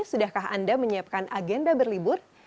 sudahkah anda menyiapkan agenda berlibur